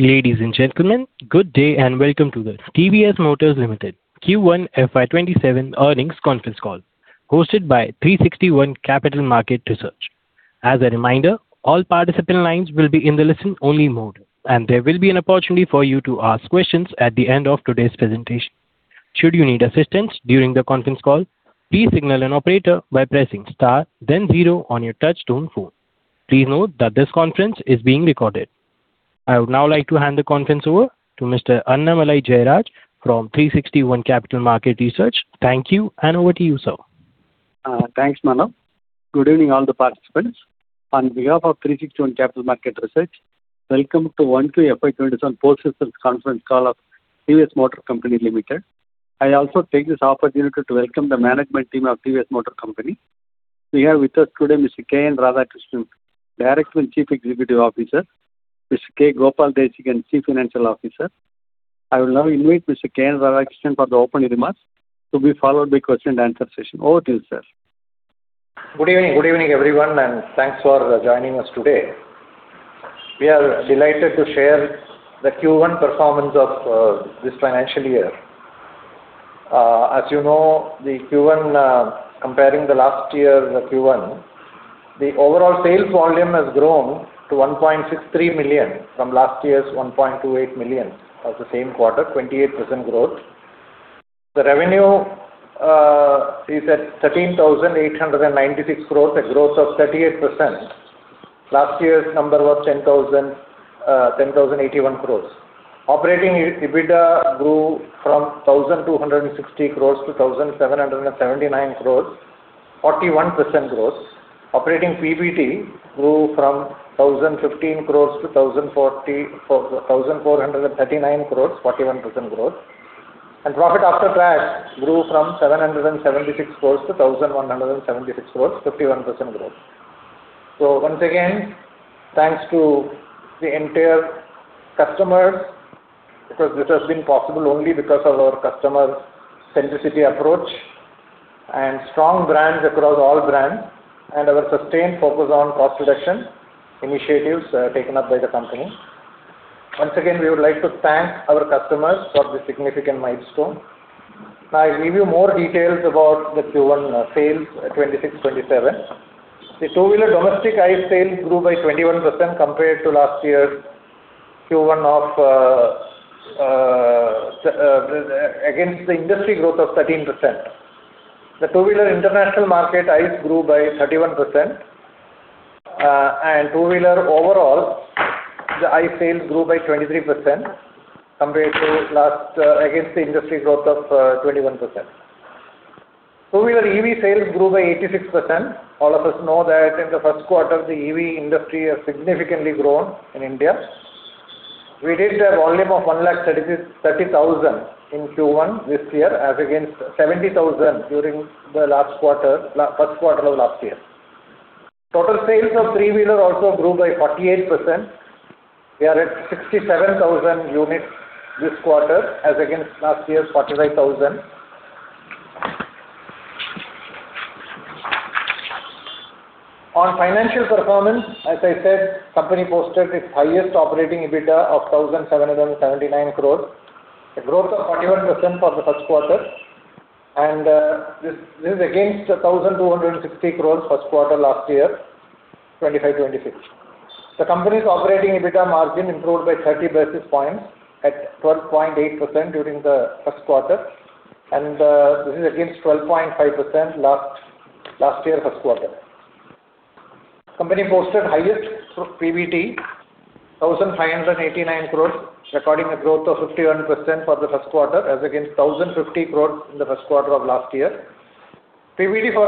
Ladies and gentlemen, good day and welcome to the TVS Motor Limited Q1 FY 2027 earnings conference call, hosted by 360 ONE Capital Market Research. As a reminder, all participant lines will be in the listen-only mode, and there will be an opportunity for you to ask questions at the end of today's presentation. Should you need assistance during the conference call, please signal an operator by pressing star then zero on your touch-tone phone. Please note that this conference is being recorded. I would now like to hand the conference over to Mr. Annamalai Jayaraj from 360 ONE Capital Market Research. Thank you, and over to you, sir. Thanks, Manav. Good evening, all the participants. On behalf of 360 ONE Capital Market Research, welcome to 1Q FY 2027 post-results conference call of TVS Motor Company Limited. I also take this opportunity to welcome the management team of TVS Motor Company. We have with us today Mr. K. N. Radhakrishnan, Director and Chief Executive Officer, Mr. K. Gopala Desikan, Chief Financial Officer. I will now invite Mr. K. N. Radhakrishnan for the opening remarks, to be followed by question-and-answer session. Over to you, sir. Good evening, everyone, thanks for joining us today. We are delighted to share the Q1 performance of this financial year. As you know, the Q1, comparing the last year Q1, the overall sales volume has grown to 1.63 million from last year's 1.28 million of the same quarter, 28% growth. The revenue is at 13,896 crores, a growth of 38%. Last year's number was 10,081 crores. Operating EBITDA grew from 1,260 crores to 1,779 crores, 41% growth. Operating PBT grew from 1,015 crores to 1,439 crores, 41% growth. Profit after tax grew from 776 crores to 1,176 crores, 51% growth. Once again, thanks to the entire customers, because this has been possible only because of our customer-centricity approach and strong brands across all brands and our sustained focus on cost reduction initiatives taken up by the company. Once again, we would like to thank our customers for this significant milestone. I'll give you more details about the Q1 sales 2026-2027. The two-wheeler domestic ICE sales grew by 21% compared to last year's Q1, against the industry growth of 13%. The two-wheeler international market ICE grew by 31%, two-wheeler overall, the ICE sales grew by 23% against the industry growth of 21%. Two-wheeler EV sales grew by 86%. All of us know that in the first quarter, the EV industry has significantly grown in India. We did a volume of 130,000 in Q1 this year, as against 70,000 during the first quarter of last year. Total sales of three-wheeler also grew by 48%. We are at 67,000 units this quarter, as against last year's 45,000. On financial performance, as I said, company posted its highest operating EBITDA of 1,779 crore, a growth of 41% for the first quarter. This is against 1,260 crore first quarter last year, 2025-2026. The company's operating EBITDA margin improved by 30 basis points at 12.8% during the first quarter, this is against 12.5% last year first quarter. Company posted highest PBT, INR 1,589 crore, recording a growth of 51% for the first quarter as against INR 1,050 crore in the first quarter of last year. PBT for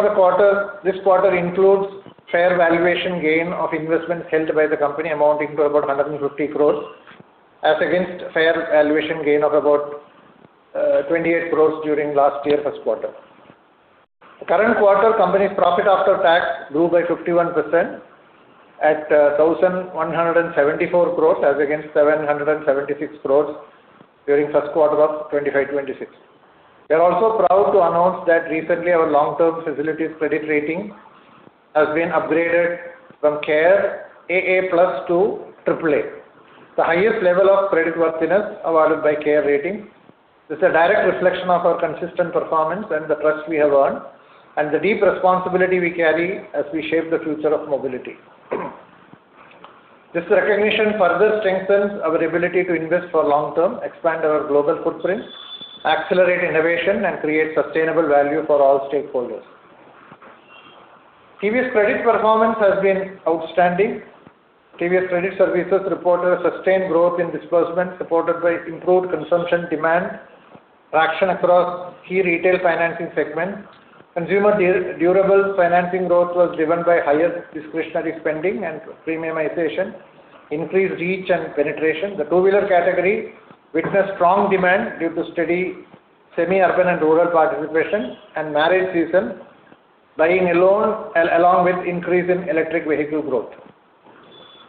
this quarter includes fair valuation gain of investments held by the company amounting to about 150 crore, as against fair valuation gain of about 28 crore during last year first quarter. The current quarter company's profit after tax grew by 51% at 1,174 crore as against 776 crore during first quarter of 2025-2026. We are also proud to announce that recently our long-term facilities credit rating has been upgraded from CARE AA+ to AAA, the highest level of credit worthiness awarded by CARE Ratings. This is a direct reflection of our consistent performance and the trust we have earned, and the deep responsibility we carry as we shape the future of mobility. This recognition further strengthens our ability to invest for long-term, expand our global footprint, accelerate innovation, and create sustainable value for all stakeholders. TVS Credit performance has been outstanding. TVS Credit Services reported a sustained growth in disbursement supported by improved consumption demand, traction across key retail financing segments. Consumer durable financing growth was driven by higher discretionary spending and premiumization, increased reach, and penetration. The two-wheeler category witnessed strong demand due to steady semi-urban and rural participation and marriage season, buying along with increase in electric vehicle growth.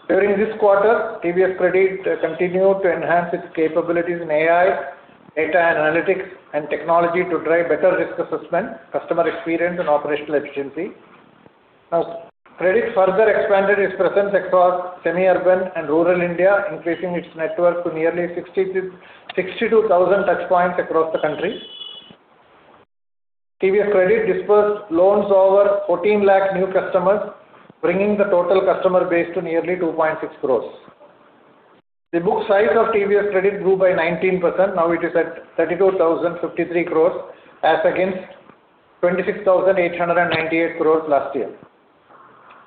During this quarter, TVS Credit continued to enhance its capabilities in AI, data and analytics, and technology to drive better risk assessment, customer experience, and operational efficiency. Credits further expanded its presence across semi-urban and rural India, increasing its network to nearly 62,000 touch points across the country. TVS Credit disbursed loans over 14 lakh new customers, bringing the total customer base to nearly 2.6 crore. The book size of TVS Credit grew by 19%. It is at 32,053 crore as against 26,898 crore last year.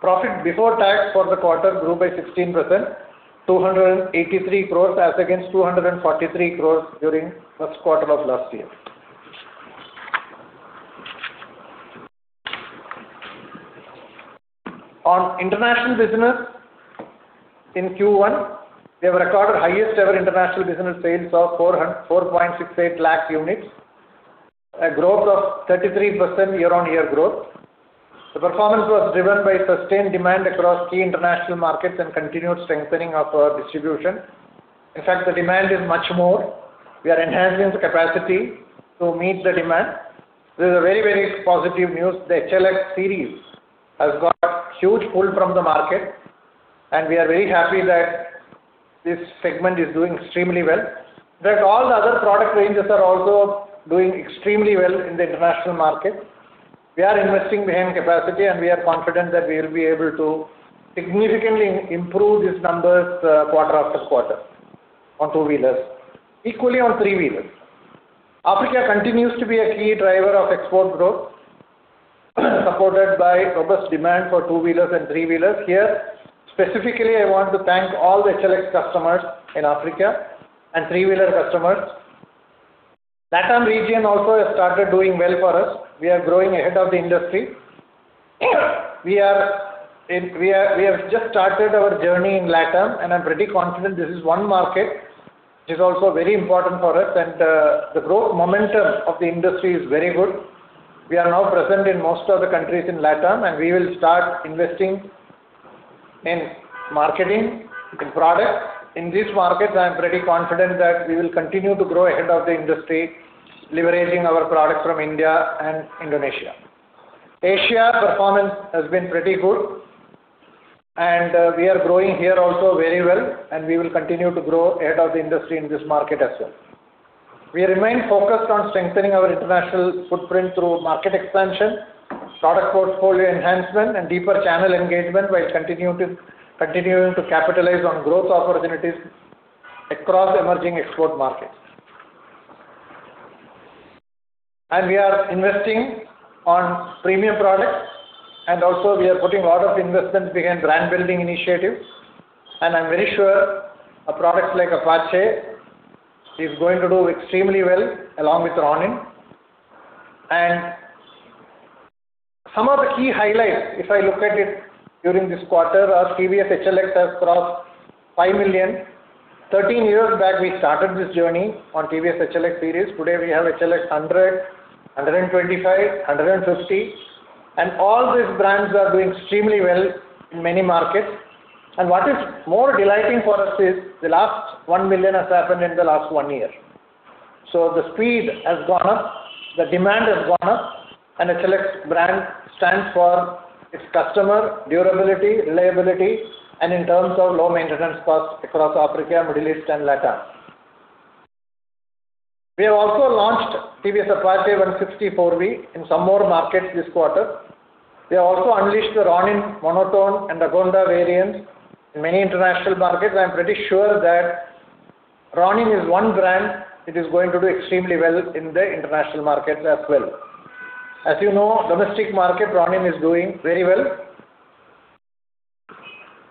Profit before tax for the quarter grew by 16%, 283 crore as against 243 crore during first quarter of last year. On international business, in Q1, we have recorded highest ever international business sales of 4.68 lakh units, a growth of 33% year-on-year growth. The performance was driven by sustained demand across key international markets and continued strengthening of our distribution. In fact, the demand is much more. We are enhancing the capacity to meet the demand. This is a very positive news. The HLX series has got huge pull from the market, we are very happy that this segment is doing extremely well. All the other product ranges are also doing extremely well in the international market. We are investing behind capacity, we are confident that we will be able to significantly improve these numbers quarter- after-quarter on two-wheelers. Equally on three-wheelers. Africa continues to be a key driver of export growth, supported by robust demand for two-wheelers and three-wheelers. Here, specifically, I want to thank all the HLX customers in Africa and three-wheeler customers. LatAm region also has started doing well for us. We are growing ahead of the industry. We have just started our journey in LatAm, and I'm pretty confident this is one market which is also very important for us, and the growth momentum of the industry is very good. We are now present in most of the countries in LatAm, and we will start investing in marketing and product. In this market, I'm pretty confident that we will continue to grow ahead of the industry, leveraging our products from India and Indonesia. Asia performance has been pretty good, and we are growing here also very well, and we will continue to grow ahead of the industry in this market as well. We remain focused on strengthening our international footprint through market expansion, product portfolio enhancement, and deeper channel engagement while continuing to capitalize on growth opportunities across emerging export markets. We are investing on premium products, also we are putting a lot of investments behind brand-building initiatives. I'm very sure our products like Apache is going to do extremely well along with Ronin. Some of the key highlights, if I look at it during this quarter, our TVS HLX has crossed 5 million. 13 years back, we started this journey on TVS HLX series. Today, we have HLX 100, 125, 150. All these brands are doing extremely well in many markets. What is more delighting for us is the last 1 million has happened in the last one year. The speed has gone up, the demand has gone up, and the HLX brand stands for its customer, durability, reliability, and in terms of low maintenance costs across Africa, Middle East, and LatAm. We have also launched TVS Apache RTR 160 4V in some more markets this quarter. We have also unleashed the Ronin Monotone and Agonda variants in many international markets. I'm pretty sure that Ronin is one brand that is going to do extremely well in the international market as well. As you know, domestic market, Ronin is doing very well.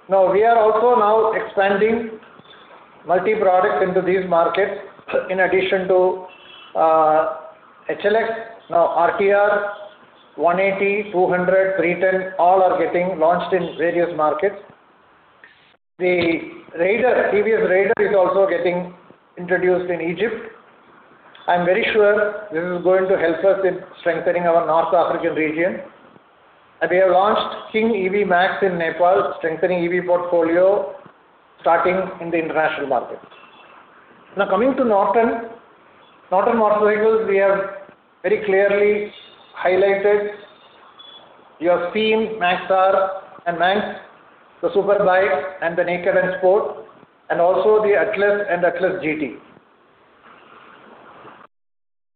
Now, we are also now expanding multi-products into these markets. In addition to HLX, now RTR 180, 200, 310 all are getting launched in various markets. The Raider, TVS Raider is also getting introduced in Egypt. I'm very sure this is going to help us in strengthening our North African region. We have launched King EV Max in Nepal, strengthening EV portfolio, starting in the international market. Now coming to Norton. Norton Motorcycles, we have very clearly highlighted your theme, Manx R and Manx, the Super Bike and the Naked and Sport, and also the Atlas and Atlas GT.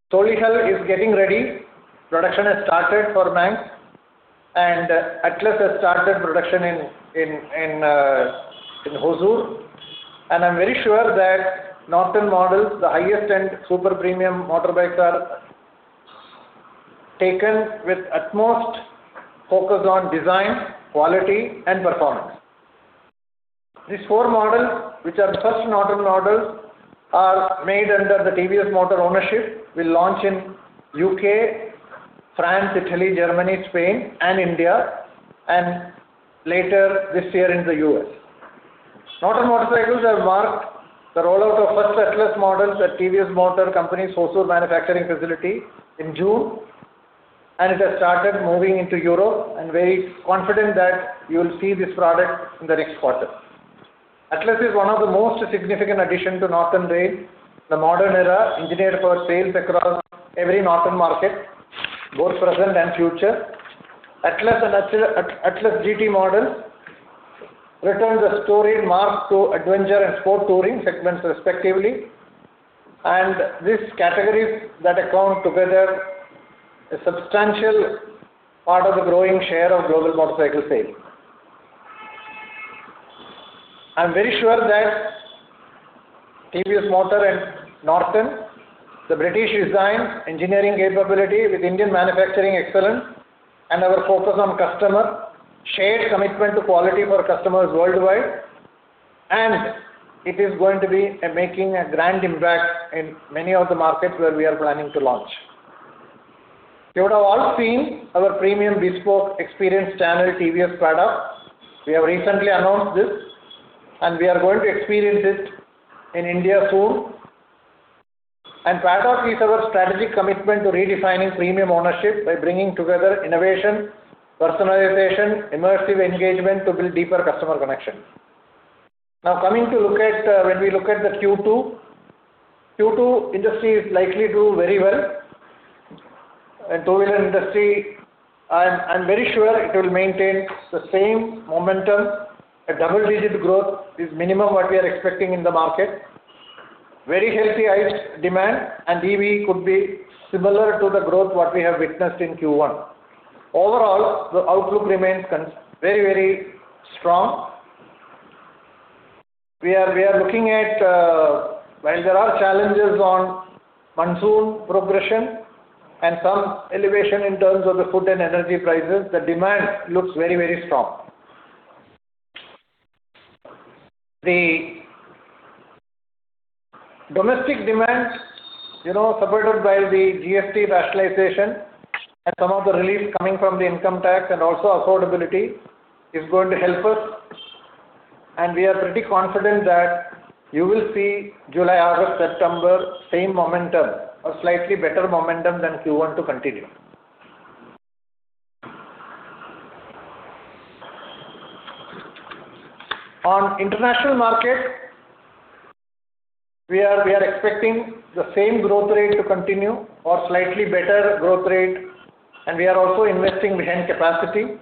[inaudible] is getting ready. Production has started for Manx and Atlas has started production in Hosur. I'm very sure that Norton models, the highest-end super premium motorbikes are taken with utmost focus on design, quality, and performance. These four models, which are the first Norton models, are made under the TVS Motor ownership, will launch in U.K., France, Italy, Germany, Spain, and India, and later this year in the U.S.. Norton Motorcycles have marked the rollout of first Atlas models at TVS Motor Company's Hosur manufacturing facility in June, and it has started moving into Europe. I'm very confident that you will see this product in the next quarter. Atlas is one of the most significant addition to Norton range. The modern era engineered for sales across every Norton market, both present and future. Atlas and Atlas GT models return the story marks to adventure and sport touring segments respectively, and these categories that account together a substantial part of the growing share of global motorcycle sales. I'm very sure that TVS Motor and Norton, the British design engineering capability with Indian manufacturing excellence and our focus on customer shared commitment to quality for customers worldwide. It is going to be making a grand impact in many of the markets where we are planning to launch. You would have all seen our premium bespoke experience channel, TVS Paddock. We have recently announced this and we are going to experience it in India soon. Paddock is our strategic commitment to redefining premium ownership by bringing together innovation, personalization, immersive engagement to build deeper customer connections. When we look at the Q2. Q2 industry is likely to do very well. Two-wheeler industry, I'm very sure it will maintain the same momentum. A double-digit growth is minimum what we are expecting in the market. Very healthy ICE demand and EV could be similar to the growth that we have witnessed in Q1. Overall, the outlook remains very strong. We are looking at, while there are challenges on monsoon progression and some elevation in terms of the food and energy prices, the demand looks very strong. The domestic demand supported by the GST rationalization and some of the relief coming from the income tax in also affordability is going to help us. We are pretty confident that you will see July, August, September same momentum or slightly better momentum than Q1 to continue. On international market, we are expecting the same growth rate to continue or slightly better growth rate. We are also investing behind capacity.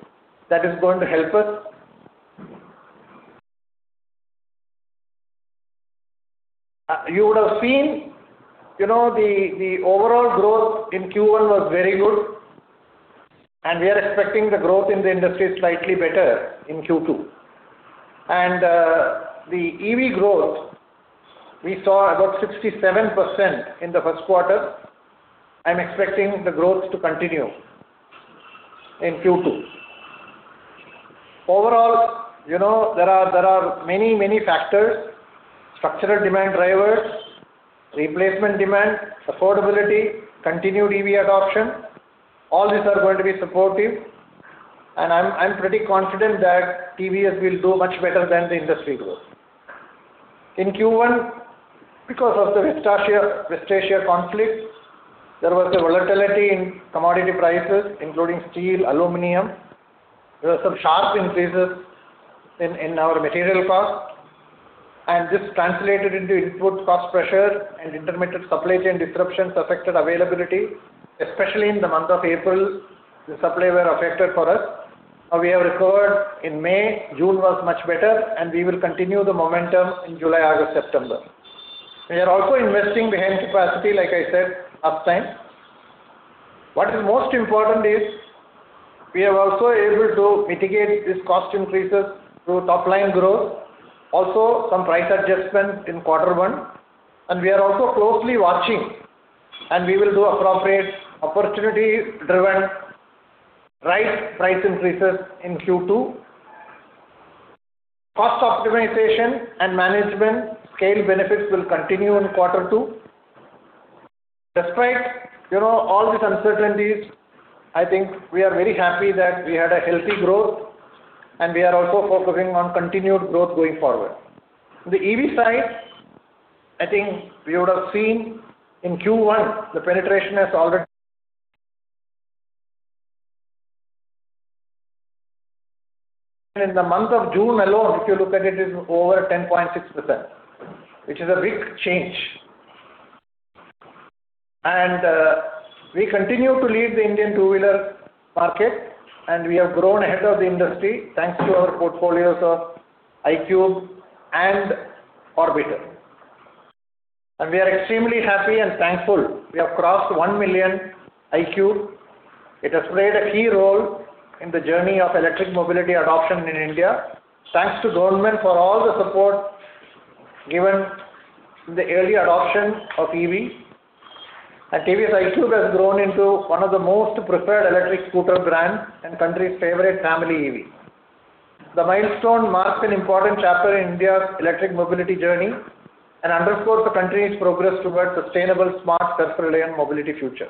That is going to help us. You would have seen the overall growth in Q1 was very good and we are expecting the growth in the industry slightly better in Q2. The EV growth we saw about 67% in the first quarter. I'm expecting the growth to continue in Q2. Overall, there are many factors, structural demand drivers, replacement demand, affordability, continued EV adoption. All these are going to be supportive and I'm pretty confident that TVS will do much better than the industry growth. In Q1 because of the West Asia conflict, there was a volatility in commodity prices, including steel, aluminum. There were some sharp increases in our material cost and this translated into input cost pressure and intermittent supply chain disruptions affected availability, especially in the month of April, the supply were affected for us. Now we have recovered in May. June was much better and we will continue the momentum in July, August, September. We are also investing behind capacity like I said, uptime. What is most important is we are also able to mitigate these cost increases through top-line growth. Also some price adjustments in quarter one and we are also closely watching and we will do appropriate opportunity driven price increases in Q2. Cost optimization and management scale benefits will continue in quarter two. Despite all these uncertainties, I think we are very happy that we had a healthy growth and we are also focusing on continued growth going forward. The EV side, I think we would have seen in Q1 the penetration has already. In the month of June alone, if you look at it is over 10.6%, which is a big change. We continue to lead the Indian two-wheeler market and we have grown ahead of the industry thanks to our portfolios of iQube and Orbiter. We are extremely happy and thankful we have crossed 1 million iQube. It has played a key role in the journey of electric mobility adoption in India. Thanks to government for all the support given in the early adoption of EV and TVS iQube has grown into one of the most preferred electric scooter brand and country's favorite family EV. The milestone marks an important chapter in India's electric mobility journey and underscores the country's progress toward sustainable, smart, self-reliant mobility future.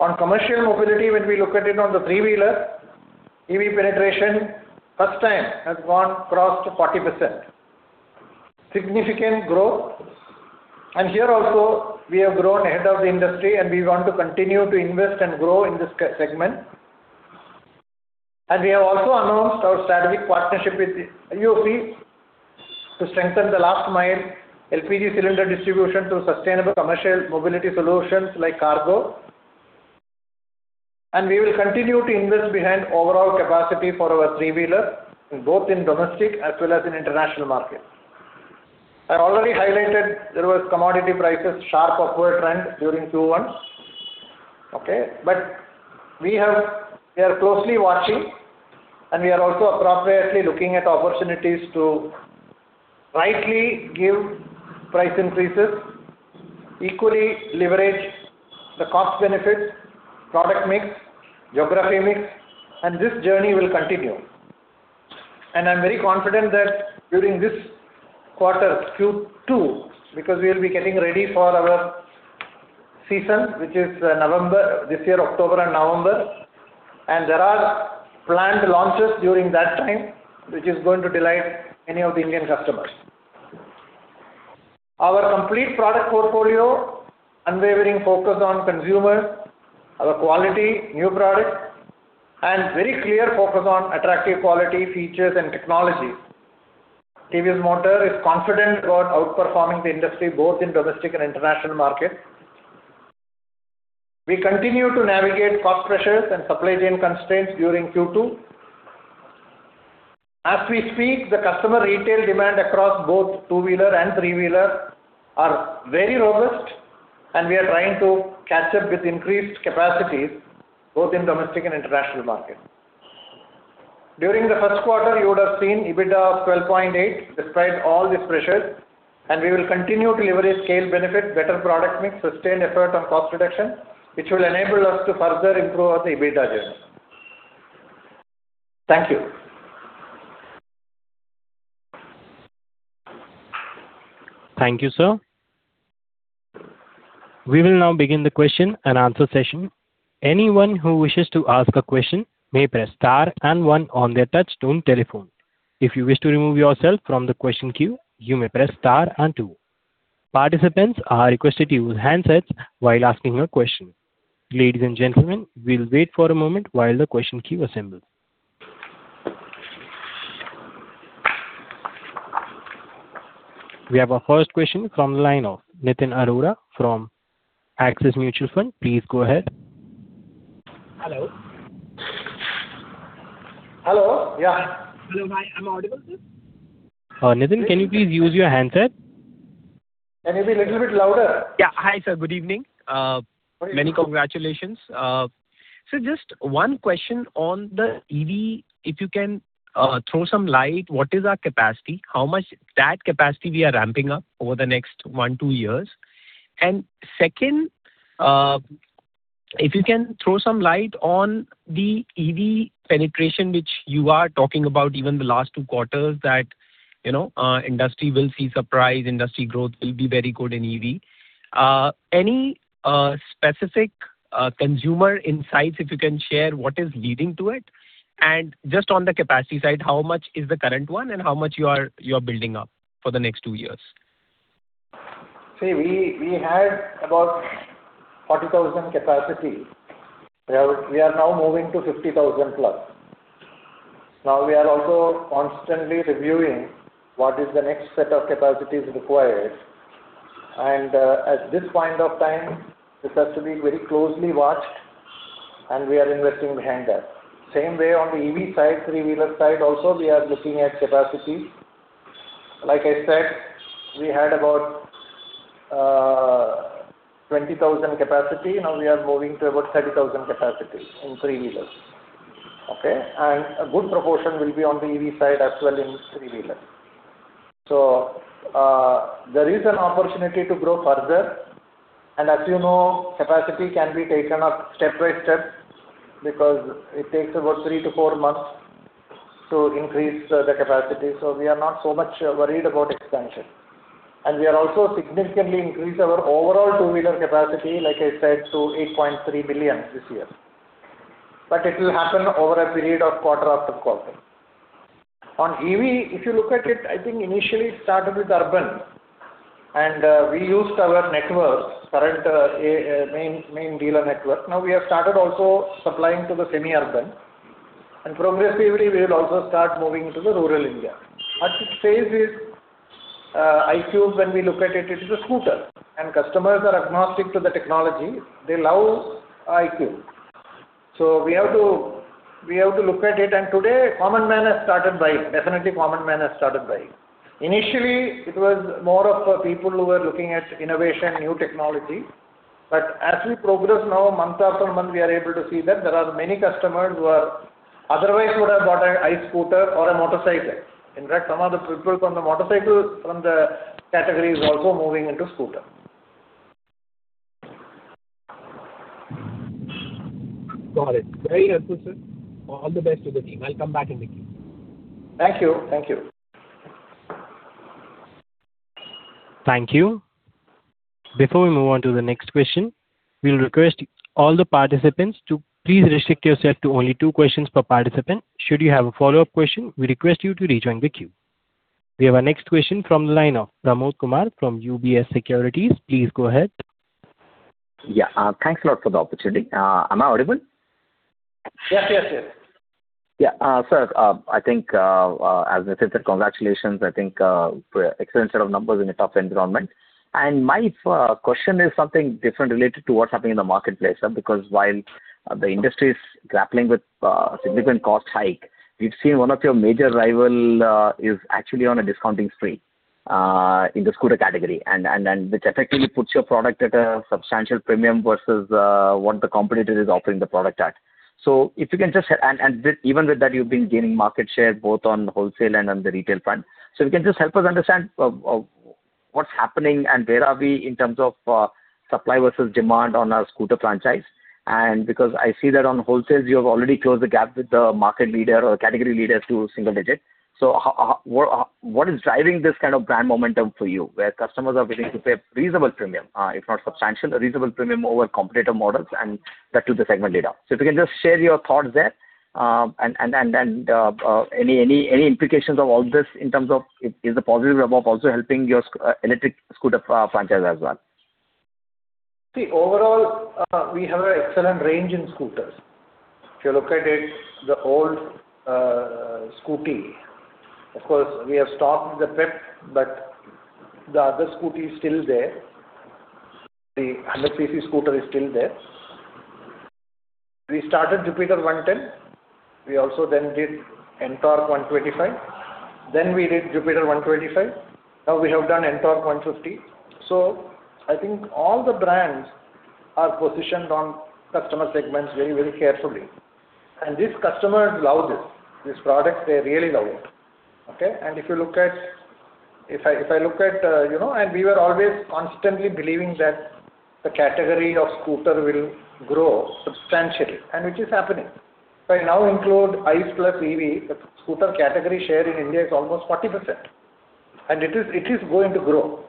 On commercial mobility when we look at it on the three-wheeler, EV penetration first time has crossed 40%. Significant growth. Here also we have grown ahead of the industry and we want to continue to invest and grow in this segment. We have also announced our strategic partnership with IOCL to strengthen the last mile LPG cylinder distribution to sustainable commercial mobility solutions like cargo. We will continue to invest behind overall capacity for our three-wheeler, both in domestic as well as in international markets. I already highlighted there was commodity prices sharp upward trend during Q1. Okay, we are closely watching, and we are also appropriately looking at opportunities to rightly give price increases, equally leverage the cost benefits, product mix, geography mix, and this journey will continue. I'm very confident that during this quarter, Q2, because we'll be getting ready for our season, which is November, this year, October and November. There are planned launches during that time, which is going to delight many of the Indian customers. Our complete product portfolio, unwavering focus on consumers, our quality new products, and very clear focus on attractive quality features and technologies. TVS Motor is confident about outperforming the industry both in domestic and international markets. We continue to navigate cost pressures and supply chain constraints during Q2. As we speak, the customer retail demand across both two-wheeler and three-wheeler are very robust, and we are trying to catch up with increased capacities both in domestic and international markets. During the first quarter, you would have seen EBITDA of 12.8% despite all these pressures. We will continue to leverage scale benefits, better product mix, sustained effort on cost reduction, which will enable us to further improve our EBITDA journey. Thank you. Thank you, sir. We will now begin the question-and-answer session. Anyone who wishes to ask a question may press star and one on their touch-tone telephone. If you wish to remove yourself from the question queue, you may press star and two. Participants are requested to use handsets while asking a question. Ladies and gentlemen, we'll wait for a moment while the question queue assembles. We have our first question from the line of Nitin Arora from Axis Mutual Fund. Please go ahead. Hello? Hello. Yeah. Hello. Am I audible, sir? Nitin, can you please use your handset? Maybe a little bit louder. Yeah. Hi, sir. Good evening. [inaudible] Many congratulations. Sir, just one question on the EV, if you can throw some light, what is our capacity? How much that capacity we are ramping-up over the next one to two years? Second, if you can throw some light on the EV penetration, which you are talking about even the last two quarters that industry will see surprise, industry growth will be very good in EV. Any specific consumer insights if you can share what is leading to it? Just on the capacity side, how much is the current one and how much you are building up for the next two years? See, we had about 40,000 capacity. We are now moving to 50,000+. We are also constantly reviewing what is the next set of capacities required. At this point of time, this has to be very closely watched, and we are investing behind that. Same way, on the EV side, three-wheeler side also, we are looking at capacity. Like I said, we had about 20,000 capacity. We are now moving to about 30,000 capacity in three-wheelers. Okay? A good proportion will be on the EV side as well in three-wheeler. There is an opportunity to grow further. As you know, capacity can be taken up step-by-step because it takes about three to four months to increase the capacity. We are not so much worried about expansion. We are also significantly increased our overall two-wheeler capacity, like I said, to 8.3 million this year. It will happen over a period of quarter-after-quarter. On EV, if you look at it, I think initially it started with urban. We used our networks, current main dealer network. Now we have started also supplying to the semi-urban. Progressively, we will also start moving to the rural India. As it says, iQube when we look at it is a scooter. Customers are agnostic to the technology. They love iQube. We have to look at it. Today, common man has started buying. Definitely, common man has started buying. Initially, it was more of people who were looking at innovation, new technology. As we progress now month-after-month, we are able to see that there are many customers who otherwise would have bought an ICE scooter or a motorcycle. In fact, some of the people from the motorcycle category are also moving into scooter. Got it. Very helpful, sir. All the best to the team. I'll come back in the queue. Thank you. Thank you. Before we move on to the next question, we will request all the participants to please restrict yourself to only two questions per participant. Should you have a follow-up question, we request you to rejoin the queue. We have our next question from the line of Pramod Kumar from UBS Securities. Please go ahead. Yeah. Thanks a lot for the opportunity. Am I audible? Yes. Yeah. Sir, I think, as I said, congratulations. I think excellent set of numbers in a tough environment. My question is something different related to what's happening in the marketplace, sir, because while the industry is grappling with significant cost hike, we have seen one of your major rival is actually on a discounting spree in the scooter category, and which effectively puts your product at a substantial premium versus what the competitor is offering the product at. Even with that, you have been gaining market share both on the wholesale and on the retail front. If you can just help us understand what's happening and where are we in terms of supply versus demand on our scooter franchise. Because I see that on wholesale, you have already closed the gap with the market leader or category leader to single digit. What is driving this kind of brand momentum for you, where customers are willing to pay a reasonable premium, if not substantial, a reasonable premium over competitor models, and that to the segment leader? If you can just share your thoughts there, and any implications of all this in terms of is the positive rub-off also helping your electric scooter franchise as well? Overall, we have an excellent range in scooters. If you look at it, the old Scooty. Of course, we have stopped the Pep, but the other Scooty is still there. The 100cc scooter is still there. We started Jupiter 110. We also then did NTorq 125. We did Jupiter 125. Now we have done NTorq 150. I think all the brands are positioned on customer segments very carefully. These customers love this. These products, they really love it. We were always constantly believing that the category of scooter will grow substantially, and which is happening. If I now include ICE plus EV, the scooter category share in India is almost 40%. It is going to grow.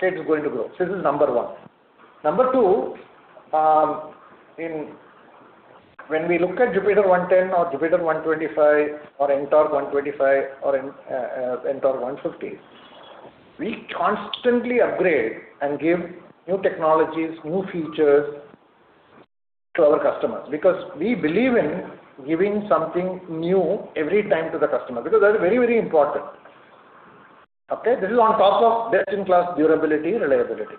It's going to grow. This is number one. Number two, when we look at Jupiter 110 or Jupiter 125 or NTorq 125 or NTorq 150, we constantly upgrade and give new technologies, new features to our customers because we believe in giving something new every time to the customer, because that is very important. This is on top of best-in-class durability, reliability.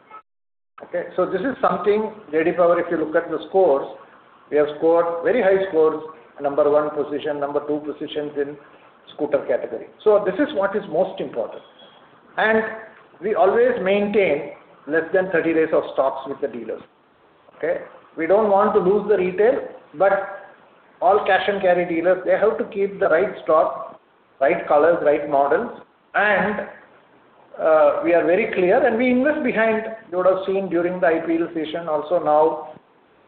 This is something, [Lead-acid power], if you look at the scores, we have scored very high scores, number one position, number two positions in scooter category. This is what is most important. We always maintain less than 30 days of stocks with the dealers. We don't want to lose the retail, all cash-and-carry dealers, they have to keep the right stock, right colors, right models, and we are very clear, and we invest behind. You would have seen during the IPL season also now,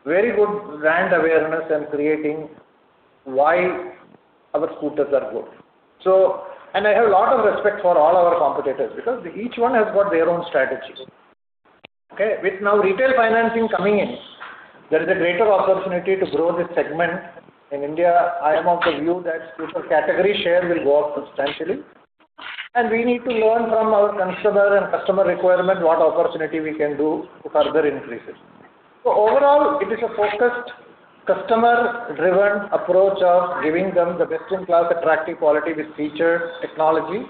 very good brand awareness and creating why our scooters are good. I have a lot of respect for all our competitors because each one has got their own strategies. With now retail financing coming in, there is a greater opportunity to grow this segment in India. I am of the view that scooter category share will go up substantially, and we need to learn from our consumer and customer requirement what opportunity we can do to further increase it. Overall, it is a focused, customer-driven approach of giving them the best-in-class attractive quality with features, technology,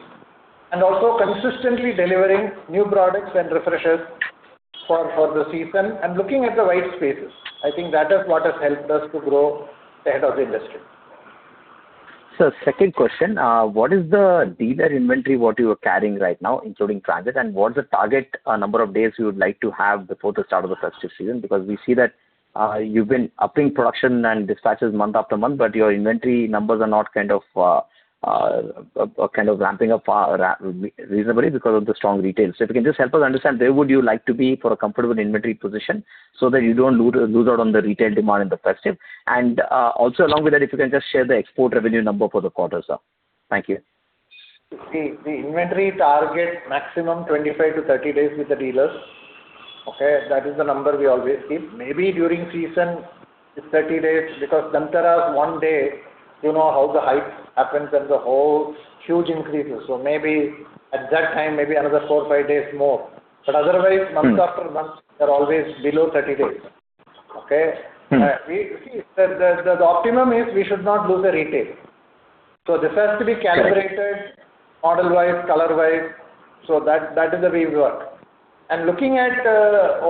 and also consistently delivering new products and refreshes for the season and looking at the right spaces. I think that is what has helped us to grow ahead of the industry. Sir, second question. What is the dealer inventory what you are carrying right now, including transit, and what is the target number of days you would like to have before the start of the festive season? We see that you've been upping production and dispatches month-after-month, but your inventory numbers are not ramping-up reasonably because of the strong retail. If you can just help us understand where would you like to be for a comfortable inventory position so that you don't lose out on the retail demand in the festive. Also along with that, if you can just share the export revenue number for the quarter, sir. Thank you. The inventory target maximum 25 to 30 days with the dealers. Okay. That is the number we always keep. Maybe during season, it's 30 days because Dhanteras, one day, you know how the hike happens and the whole huge increases. Maybe at that time, maybe another four, five days more. Otherwise. month-after-month, they're always below 30 days. Okay? The optimum is we should not lose the retail. This has to be calibrated model-wise, color-wise. That is the way we work. Looking at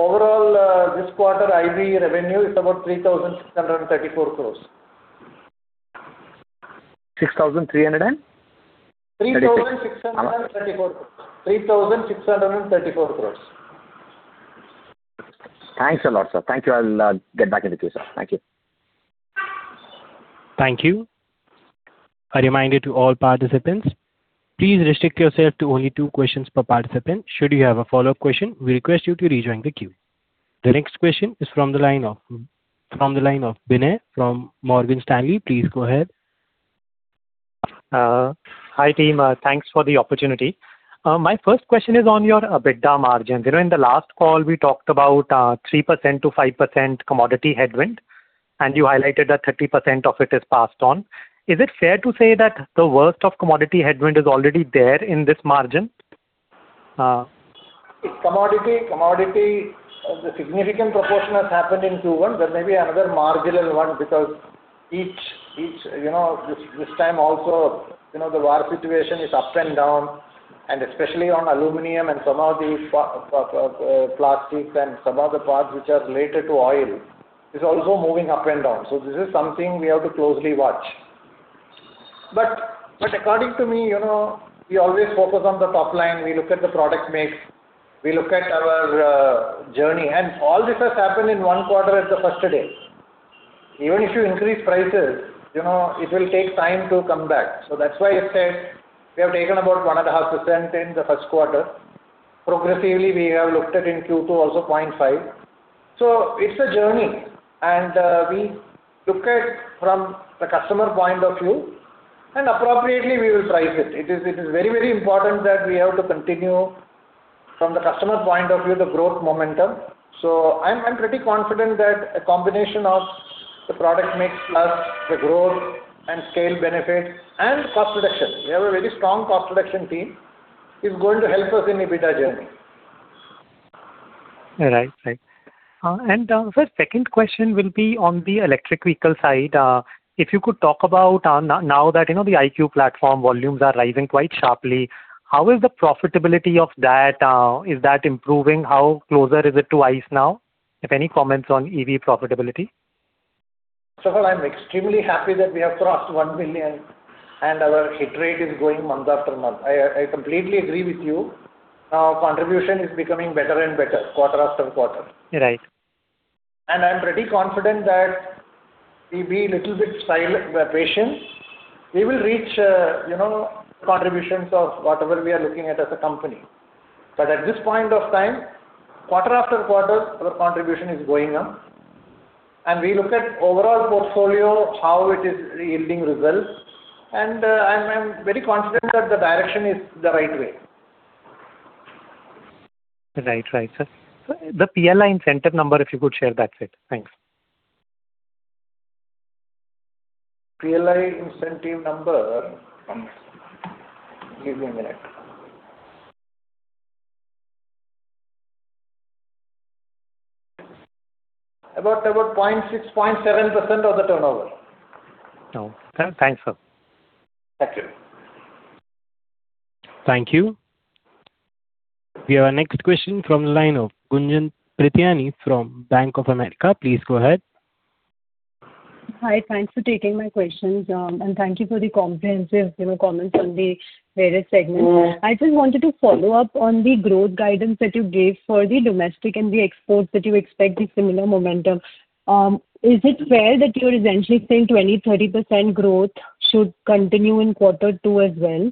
overall this quarter, IV revenue is about 3,634 crores. 6,336? 3,634 crores. Thanks a lot, sir. Thank you. I'll get back into queue, sir. Thank you. Thank you. A reminder to all participants. Please restrict yourself to only two questions per participant. Should you have a follow-up question, we request you to rejoin the queue. The next question is from the line of Vinay from Morgan Stanley. Please go ahead. Hi, team. Thanks for the opportunity. My first question is on your EBITDA margin. You know, in the last call, we talked about 3%-5% commodity headwind. You highlighted that 30% of it is passed on. Is it fair to say that the worst of commodity headwind is already there in this margin? Commodity, the significant proportion has happened in Q1. There may be another marginal one because this time also, the war situation is up and down, and especially on aluminum and some of the plastics and some other parts which are related to oil, is also moving up and down. This is something we have to closely watch. According to me, we always focus on the top-line. We look at the product mix, we look at our journey. All this has happened in one quarter as the first day. Even if you increase prices, it will take time to come back. That's why I said we have taken about 1.5% in the first quarter. Progressively, we have looked at in Q2 also 0.5%. It's a journey, and we look at from the customer point of view, and appropriately we will price it. It is very important that we have to continue from the customer point of view, the growth momentum. I'm pretty confident that a combination of the product mix plus the growth and scale benefit and cost reduction, we have a very strong cost reduction team, is going to help us in EBITDA journey. Right. Sir, second question will be on the electric vehicle side. If you could talk about now that, the iQube platform volumes are rising quite sharply, how is the profitability of that? Is that improving? How closer is it to ICE now? If any comments on EV profitability. I'm extremely happy that we have crossed 1 million and our hit rate is going month-after-month. I completely agree with you. Contribution is becoming better and better quarter-after-quarter. Right. I'm pretty confident that we be little bit patient. We will reach contributions of whatever we are looking at as a company. At this point of time, quarter-after-quarter, our contribution is going up. We look at overall portfolio, how it is yielding results, and I'm very confident that the direction is the right way. Right, sir. Sir, the PLI incentive number, if you could share that bit. Thanks. PLI incentive number. Give me a minute. About 0.6%-0.7% of the turnover. Oh, thanks, sir. Thank you. Thank you. We have our next question from line of Gunjan Prithyani from Bank of America. Please go ahead. Hi. Thanks for taking my questions, and thank you for the comprehensive comments on the various segments. I just wanted to follow up on the growth guidance that you gave for the domestic and the exports that you expect the similar momentum. Is it fair that you're essentially saying 20%-30% growth should continue in quarter two as well?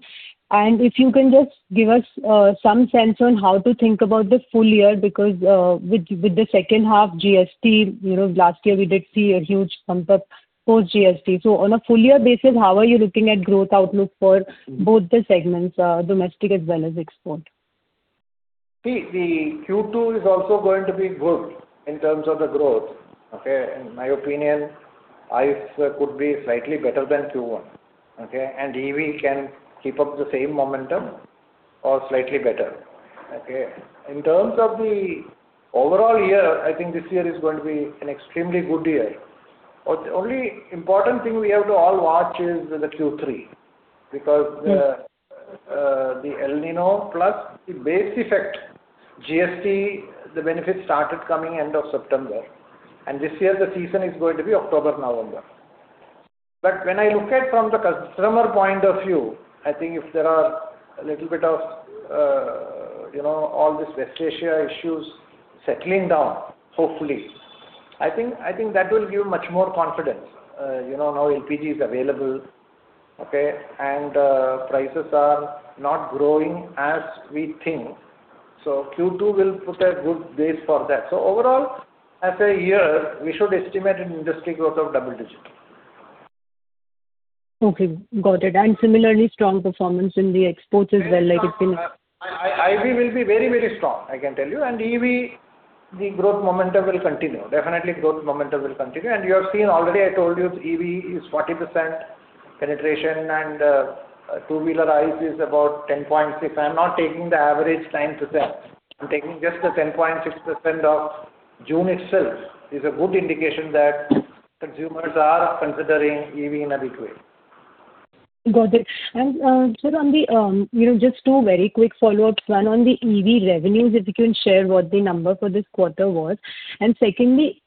If you can just give us some sense on how to think about the full-year, because, with the second half GST, last year we did see a huge pump up post GST. On a full-year basis, how are you looking at growth outlook for both the segments, domestic as well as export? The Q2 is also going to be good in terms of the growth. In my opinion, ICE could be slightly better than Q1. EV can keep up the same momentum or slightly better. In terms of the overall year, I think this year is going to be an extremely good year. Only important thing we have to all watch is the Q3, because the El Niño plus the base effect, GST, the benefit started coming end of September, and this year the season is going to be October-November. When I look at from the customer point of view, I think if there are a little bit of all this West Asia issues settling down, hopefully, I think that will give much more confidence. LPG is available, and prices are not growing as we think. Q2 will put a good base for that. Overall, as a year, we should estimate an industry growth of double-digit. Okay, got it. Similarly strong performance in the exports as well. ICE will be very strong, I can tell you. EV, the growth momentum will continue. Definitely growth momentum will continue. You have seen already, I told you EV is 40% penetration and two-wheeler ICE is about 10.6%. I'm not taking the average 9%. I'm taking just the 10.6% of June itself is a good indication that consumers are considering EV in a big way. Got it. Sir, just two very quick follow-ups. One on the EV revenues, if you can share what the number for this quarter was. Secondly,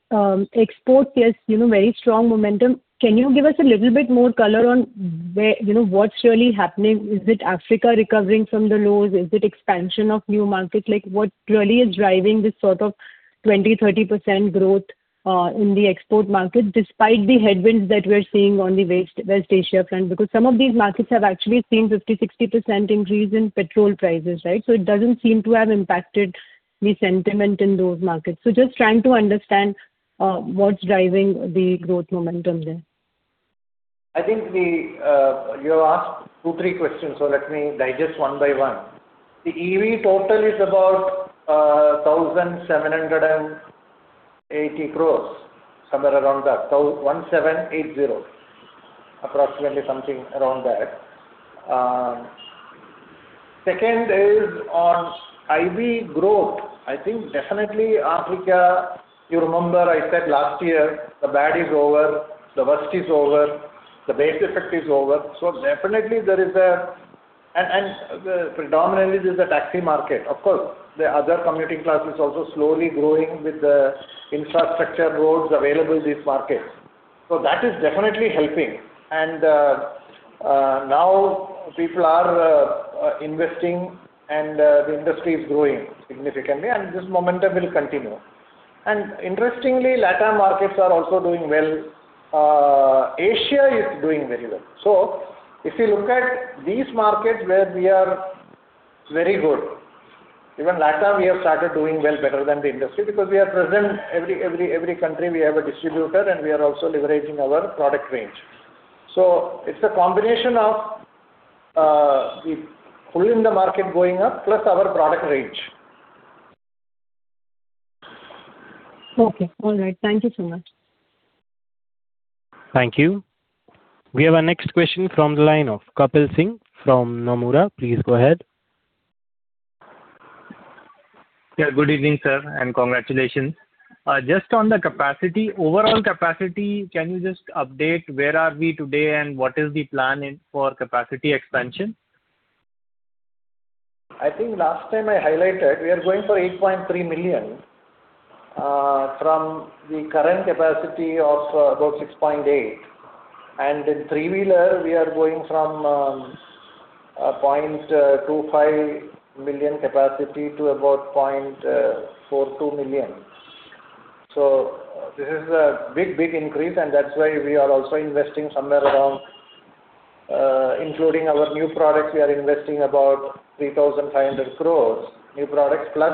exports, yes, very strong momentum. Can you give us a little bit more color on what's really happening? Is it Africa recovering from the lows? Is it expansion of new markets? What really is driving this sort of 20%-30% growth in the export market despite the headwinds that we're seeing on the West Asia front? Because some of these markets have actually seen 50%-60% increase in petrol prices, right? It doesn't seem to have impacted the sentiment in those markets. Just trying to understand what's driving the growth momentum there. You have asked two, three questions, let me digest one-by-one. The EV total is about 1,780 crore, somewhere around that. 1,780, approximately something around that. Second is on EV growth. Definitely Africa, you remember I said last year, the bad is over, the worst is over, the base effect is over. Predominantly this is a taxi market. Of course, the other commuting class is also slowly growing with the infrastructure, roads available in these markets. That is definitely helping. Now people are investing and the industry is growing significantly and this momentum will continue. Interestingly, LatAm markets are also doing well. Asia is doing very well. If you look at these markets where we are very good. Even LatAm, we have started doing well, better than the industry, because we are present, every country we have a distributor and we are also leveraging our product range. It's a combination of the pool in the market going up, plus our product range. Okay. All right. Thank you so much. Thank you. We have our next question from the line of Kapil Singh from Nomura. Please go ahead. Yeah. Good evening, sir, and congratulations. Just on the capacity, overall capacity, can you just update where are we today and what is the plan for capacity expansion? I think last time I highlighted, we are going for 8.3 million, from the current capacity of about 6.8 million. In three-wheeler, we are going from a 0.25 million capacity to about 0.42 million. This is a big, big increase and that's why we are also investing somewhere around, including our new products, we are investing about 3,500 crores, new products plus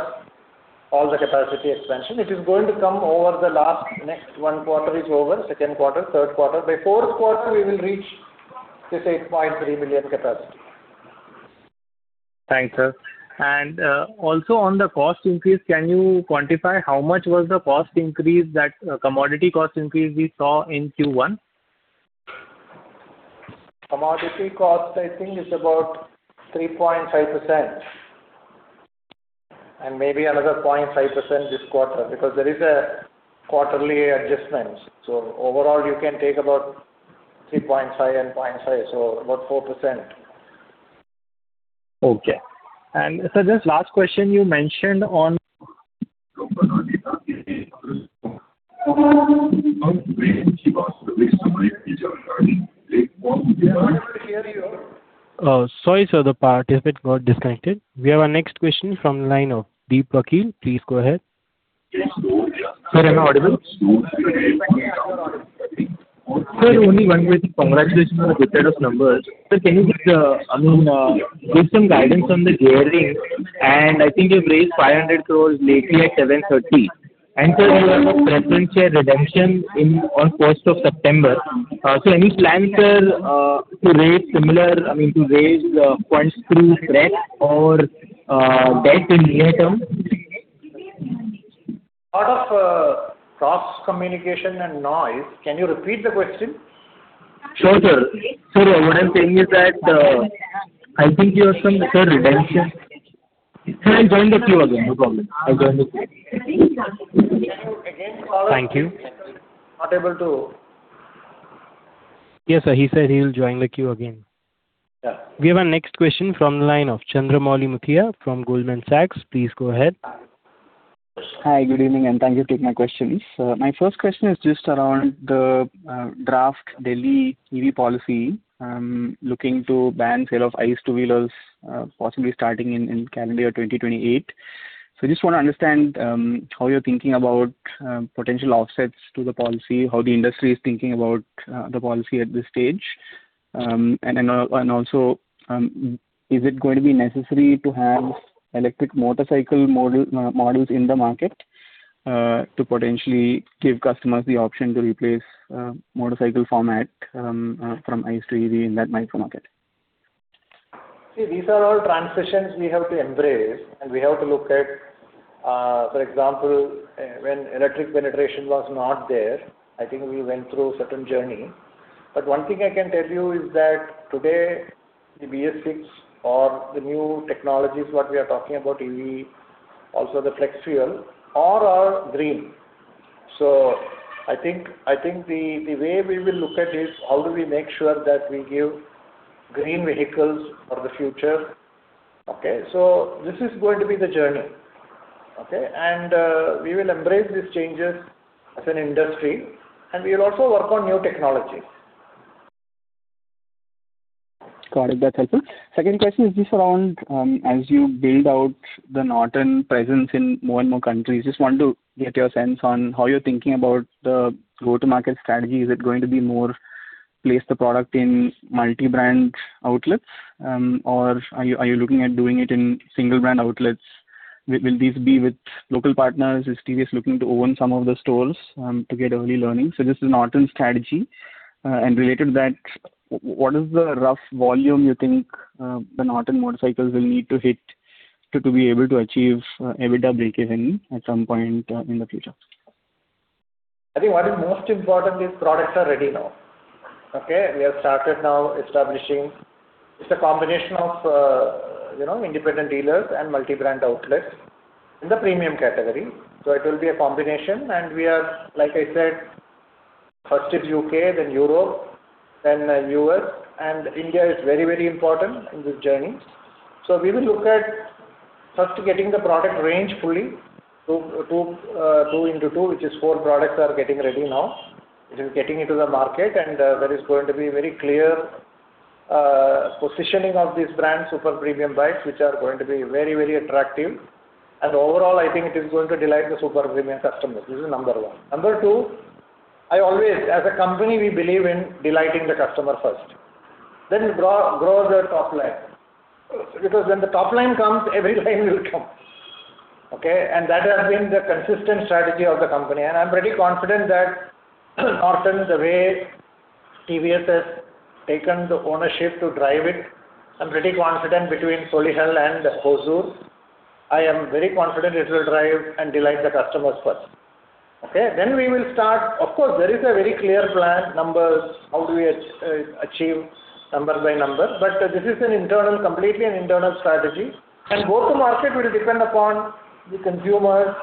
all the capacity expansion. It is going to come over the last, next, one quarter is over, second quarter, third quarter. By fourth quarter, we will reach this 8.3 million capacity. Thanks, sir. Also on the cost increase, can you quantify how much was the cost increase, that commodity cost increase we saw in Q1? Commodity cost, I think it's about 3.5%, and maybe another 0.5% this quarter, because there is a quarterly adjustment. Overall, you can take about 3.5% and 0.5%, so about 4%. Okay. Sir, just last question, you mentioned on Sorry, sir, the participant got disconnected. We have our next question from the line of Dipesh Vakil. Please go ahead. Sir, am I audible? Sir, only one question. Congratulations on a good set of numbers. Sir, can you just give some guidance on the gearing? I think you've raised 500 crores lately at 730. Sir, you have a preference share redemption on 1st of September. Any plans, sir, to raise similar, I mean, to raise funds through debt in near term? Lot of cross-communication and noise. Can you repeat the question? Sure, sir. Sir, what I'm saying is that, I think you have some share redemption. Sir, I'll join the queue again, no problem. I'll join the queue. Thank you. Not able to Yes, sir, he said he'll join the queue again. Yeah. We have our next question from the line of Chandramouli Muthiah from Goldman Sachs. Please go ahead. Hi, good evening, and thank you for taking my questions. My first question is just around the draft Delhi EV Policy, looking to ban sale of ICE two-wheelers, possibly starting in calendar 2028. I just want to understand how you're thinking about potential offsets to the policy, how the industry is thinking about the policy at this stage. Also, is it going to be necessary to have electric motorcycle models in the market, to potentially give customers the option to replace motorcycle format from ICE to EV in that micro market? See, these are all transitions we have to embrace, and we have to look at, for example, when electric penetration was not there, I think we went through a certain journey. One thing I can tell you is that today, the BS6 or the new technologies, what we are talking about EV, also the flex fuel, all are green. I think the way we will look at is how do we make sure that we give green vehicles for the future. Okay, this is going to be the journey. Okay. We will embrace these changes as an industry, and we will also work on new technologies. Got it. That's helpful. Second question is just around, as you build out the Norton presence in more and more countries, just want to get your sense on how you're thinking about the go-to-market strategy. Is it going to be more place the product in multi-brand outlets? Or are you looking at doing it in single brand outlets? Will these be with local partners? Is TVS looking to own some of the stores to get early learning? Just the Norton strategy. Related to that, what is the rough volume you think the Norton motorcycles will need to hit to be able to achieve EBITDA breakeven at some point in the future? I think what is most important, these products are ready now. Okay. We have started now establishing. It's a combination of independent dealers and multi-brand outlets in the premium category. It will be a combination. We are, like I said, first it's U.K., then Europe, then U.S., and India is very important in this journey. We will look at first getting the product range fully. Two into two, which is four products are getting ready now. It is getting into the market, there is going to be very clear positioning of these brand super premium bikes, which are going to be very attractive. Overall, I think it is going to delight the super premium customers. This is number one. Number two, as a company, we believe in delighting the customer first, then grow the top-line. Because when the top-line comes, every line will come. Okay. That has been the consistent strategy of the company. I'm pretty confident that Norton, the way TVS has taken the ownership to drive it, I'm pretty confident between Solihull and Hosur. I am very confident it will drive and delight the customers first. Okay. We will start. Of course, there is a very clear plan, numbers. How do we achieve number by number? This is completely an internal strategy. Go-to-market will depend upon the consumer,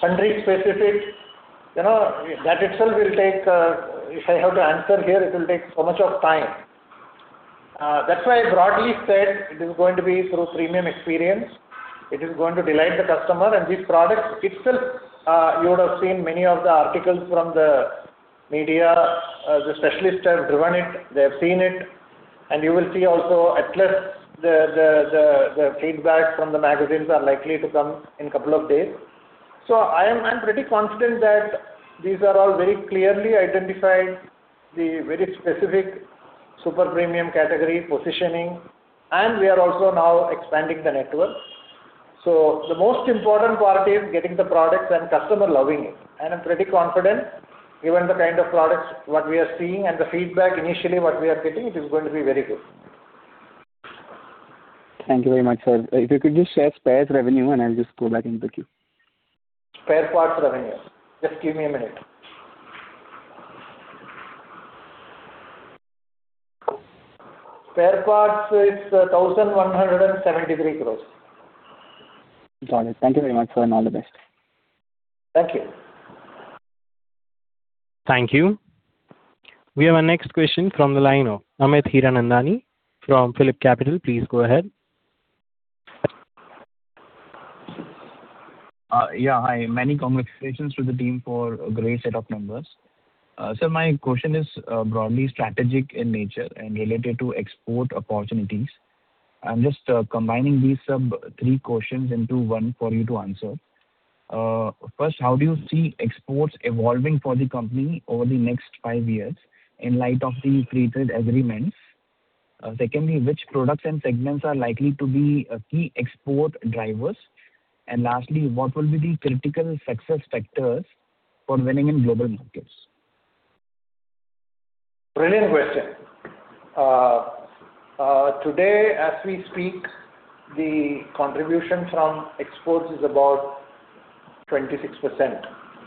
country specific. If I have to answer here, it will take so much of time. That's why I broadly said it is going to be through premium experience. It is going to delight the customer and these products itself. You would have seen many of the articles from the media. The specialists have driven it. They have seen it. You will see also, Atlas, the feedback from the magazines are likely to come in a couple of days. I'm pretty confident that these are all very clearly identified, the very specific super premium category positioning. We are also now expanding the network. The most important part is getting the products and customer loving it. I'm pretty confident, given the kind of products what we are seeing and the feedback initially what we are getting, it is going to be very good. Thank you very much, sir. If you could just share spares revenue, I'll just go back into queue. Spare parts revenue. Just give me a minute. Spare parts is 1,173 crores. Got it. Thank you very much, sir, all the best. Thank you. Thank you. We have our next question from the line of Amit Hiranandani from PhillipCapital. Please go ahead. Yeah. Hi. Many congratulations to the team for a great set of numbers. Sir, my question is broadly strategic in nature and related to export opportunities. I'm just combining these three questions into one for you to answer. First, how do you see exports evolving for the company over the next five years in light of the free trade agreements? Secondly, which products and segments are likely to be key export drivers? Lastly, what will be the critical success factors for winning in global markets? Brilliant question. Today, as we speak, the contribution from exports is about 26%,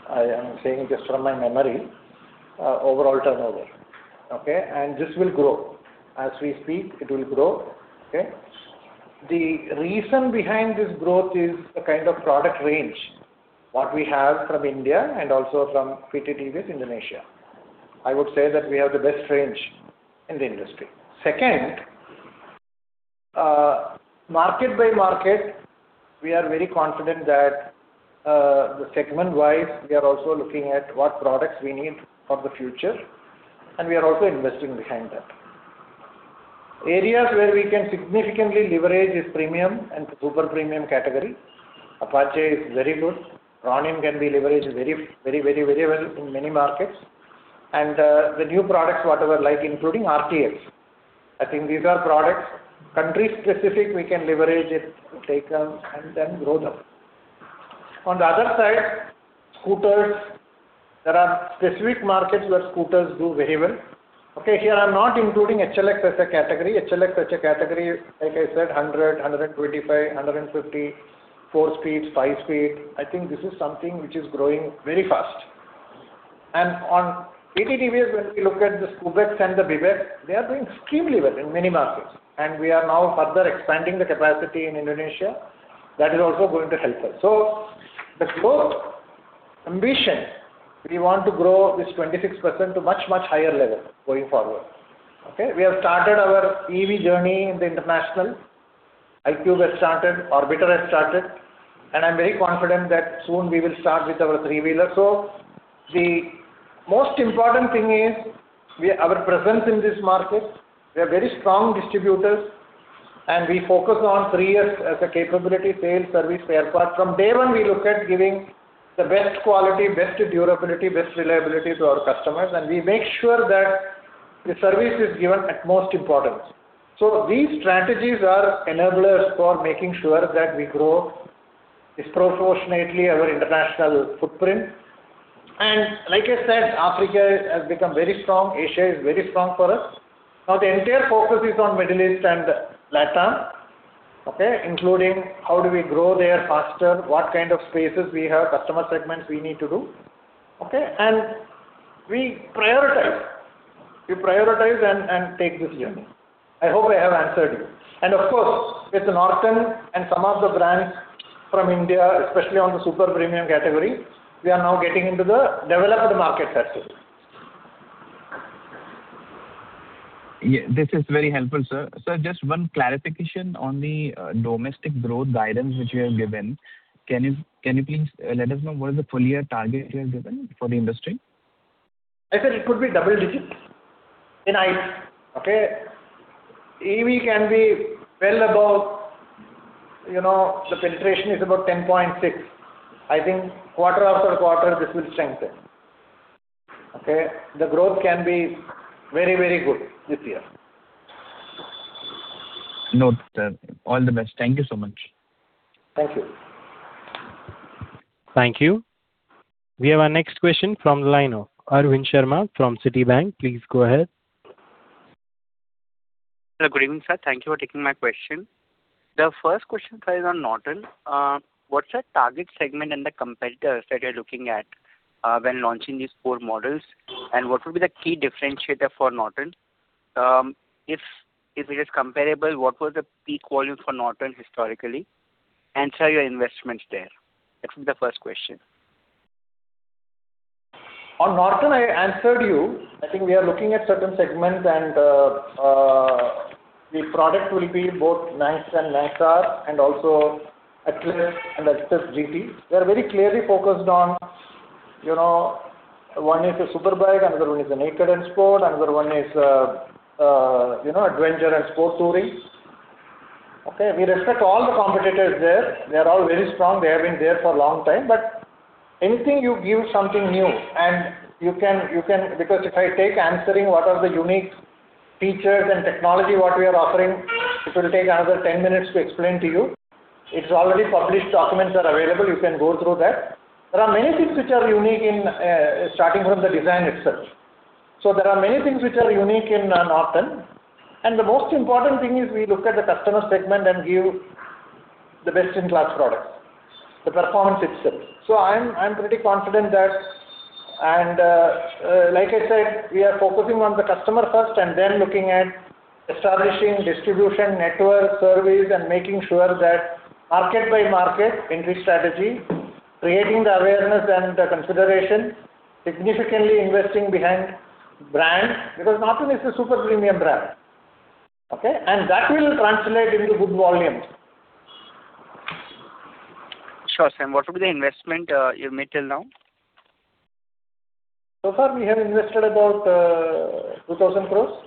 I am saying just from my memory, overall turnover. Okay? This will grow. As we speak, it will grow. Okay? The reason behind this growth is the kind of product range, what we have from India and also from PT TVS Indonesia. I would say that we have the best range in the industry. Second, market-by-market, we are very confident that, segment-wise, we are also looking at what products we need for the future, and we are also investing behind that. Areas where we can significantly leverage is premium and super premium category. Apache is very good. Ronin can be leveraged very well in many markets. The new products, whatever, like including RTX. I think these are products, country specific, we can leverage it, take them, and then grow them. On the other side, scooters. There are specific markets where scooters do very well. Okay, here I'm not including HLX as a category. HLX as a category, like I said, 100, 125, 150, four-speed, five-speed. I think this is something which is growing very fast. [inaudible] when we look at the, [inaudible] they are doing extremely well in many markets. We are now further expanding the capacity in Indonesia. That is also going to help us. The growth ambition, we want to grow this 26% to much higher level going forward. Okay? We have started our EV journey in the international. iQube has started, Orbiter has started. I'm very confident that soon we will start with our three-wheeler. The most important thing is our presence in this market. We are very strong distributors, and we focus on 3S as a capability. Sales, Service, Spare parts. From day one, we look at giving the best quality, best durability, best reliability to our customers. We make sure that the service is given utmost importance. These strategies are enablers for making sure that we grow disproportionately our international footprint. Like I said, Africa has become very strong. Asia is very strong for us. Now, the entire focus is on Middle East and LatAm, including how do we grow there faster, what kind of spaces we have, customer segments we need to do. We prioritize. We prioritize and take this journey. I hope I have answered you. Of course, with Norton and some of the brands from India, especially on the super premium category, we are now getting into the developed market as well. This is very helpful, sir. Sir, just one clarification on the domestic growth guidance which you have given. Can you please let us know what is the full-year target you have given for the industry? I said it could be double-digits in ICE. EV can be well above. The penetration is about 10.6%. I think quarter-after-quarter, this will strengthen. The growth can be very good this year. Note, sir. All the best. Thank you so much. Thank you. Thank you. We have our next question from the line of Arvind Sharma from Citibank. Please go ahead. Sir, good evening, sir. Thank you for taking my question. The first question, sir, is on Norton. What's the target segment and the competitors that you're looking at when launching these four models, and what would be the key differentiator for Norton? If it is comparable, what was the peak volume for Norton historically, and sir, your investments there? That's the first question. On Norton, I answered you. I think we are looking at certain segments, and the product will be both Manx and Manx R and also Atlas and Atlas GT. We are very clearly focused on, one is a super bike, another one is a naked and sport, another one is adventure and sport touring. We respect all the competitors there. They are all very strong. They have been there for a long time. Anything you give something new. If I take answering what are the unique features and technology, what we are offering, it will take another 10 minutes to explain to you. It's already published. Documents are available. You can go through that. There are many things which are unique, starting from the design itself. There are many things which are unique in Norton. The most important thing is we look at the customer segment and give the best-in-class product, the performance itself. I'm pretty confident. Like I said, we are focusing on the customer first and then looking at establishing distribution network, service, and making sure that market by market entry strategy, creating the awareness and the consideration, significantly investing behind brand, because Norton is a super premium brand. That will translate into good volumes. Sure, sir. What would be the investment you have made till now? So far, we have invested about 2,000 crore.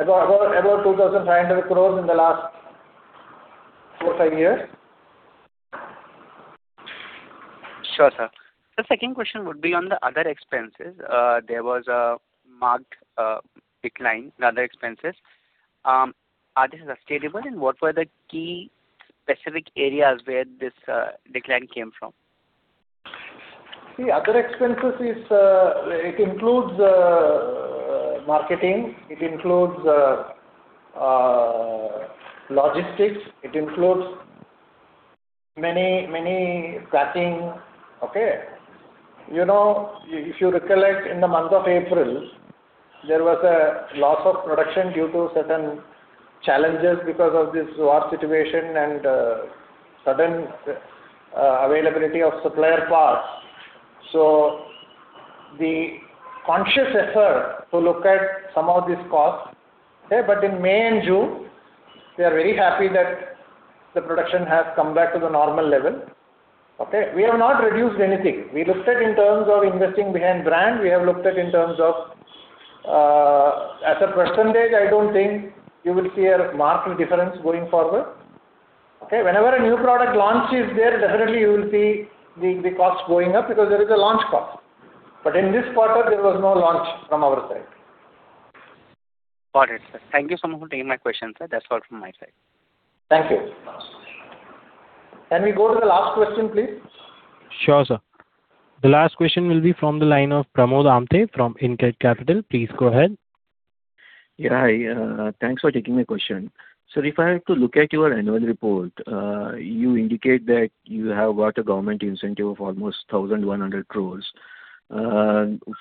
About 2,500 crore in the last four or five years. Sure, sir. Sir, second question would be on the other expenses. There was a marked decline in other expenses. Are these sustainable, what were the key specific areas where this decline came from? Other expenses, it includes marketing. It includes logistics. It includes many packing. If you recollect, in the month of April, there was a loss of production due to certain challenges because of this war situation and sudden availability of supplier parts. The conscious effort to look at some of these costs. In May and June, we are very happy that the production has come back to the normal level. We have not reduced anything. We looked at in terms of investing behind brand. We have looked at in terms of, as a percentage, I don't think you will see a marked difference going forward. Whenever a new product launch is there, definitely you will see the cost going up because there is a launch cost. In this quarter, there was no launch from our side. Got it, sir. Thank you so much for taking my questions, sir. That's all from my side. Thank you. Can we go to the last question, please? Sure, sir. The last question will be from the line of Pramod Amthe from InCred Capital. Please go ahead. Thanks for taking my question. Sir, if I have to look at your annual report, you indicate that you have got a government incentive of almost 1,100 crores.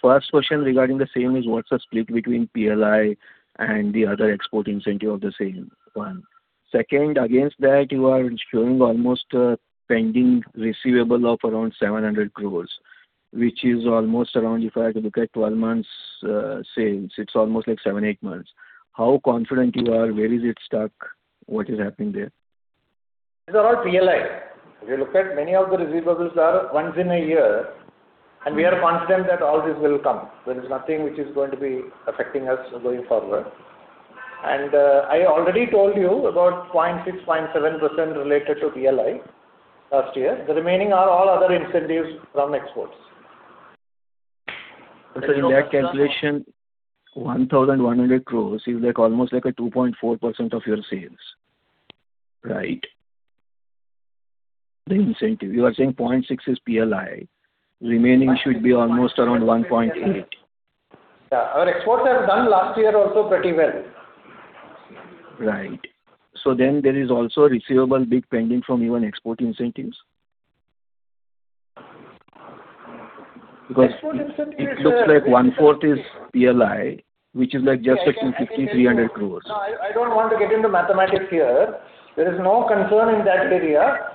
First question regarding the same is what's the split between PLI and the other export incentive of the same one. Second, against that, you are showing almost a pending receivable of around 700 crores, which is almost around, if I had to look at 12 months sales, it's almost like seven to eight months. How confident you are? Where is it stuck? What is happening there? These are all PLI. If you look at many of the receivables are once in a year, we are confident that all this will come. There is nothing which is going to be affecting us going forward. I already told you about 0.6%-0.7% related to PLI last year. The remaining are all other incentives from exports. In that calculation, 1,100 crores is almost like a 2.4% of your sales. Right? The incentive. You are saying 0.6% is PLI. Remaining should be almost around 1.8%. Our exports have done last year also pretty well. Right. There is also a receivable bit pending from even export incentives? Because it looks like one-fourth is PLI, which is just 150 crore-300 crore. No, I don't want to get into mathematics here. There is no concern in that area.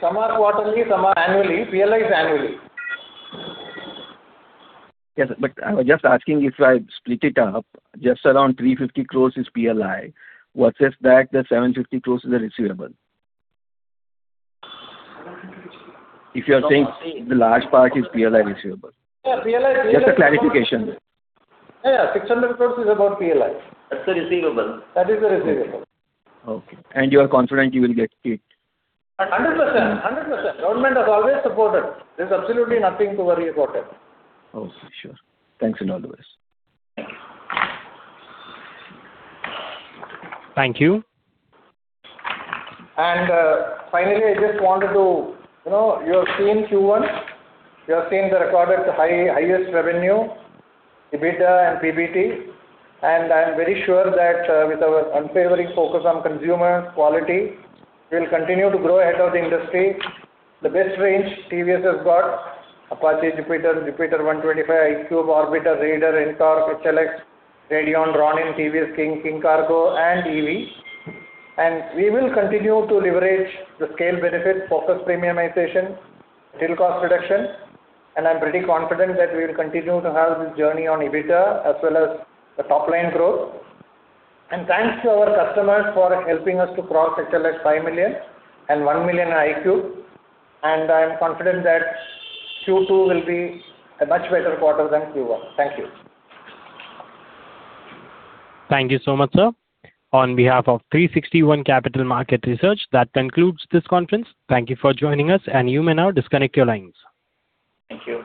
Some are quarterly, some are annually. PLI is annually. Yes, I was just asking if I split it up, just around 350 crore is PLI. Versus that, the 750 crore is a receivable. If you are saying the large part is PLI receivable. Yeah, PLI. Just a clarification. Yeah. 600 crores is about PLI. That's the receivable. That is the receivable. Okay. You are confident you will get it? 100%. Government has always supported. There is absolutely nothing to worry about it. Okay, sure. Thanks a lot. Thank you. Finally, I just wanted to you have seen Q1. You have seen the recorded highest revenue, EBITDA and PBT. I am very sure that with our unfailing focus on consumer quality, we will continue to grow ahead of the industry. The best range TVS has got Apache, Jupiter 125, iQube, Orbiter, Raider, NTorq, XL, Radeon, Ronin, TVS King, TVS King Kargo, and EV. We will continue to leverage the scale benefit, focus premiumization, real cost reduction. I'm pretty confident that we will continue to have this journey on EBITDA as well as the top-line growth. Thanks to our customers for helping us to cross HLX 5 million and 1 million iQube. I am confident that Q2 will be a much better quarter than Q1. Thank you. Thank you so much, sir. On behalf of 360 ONE Capital Market Research, that concludes this conference. Thank you for joining us and you may now disconnect your lines. Thank you.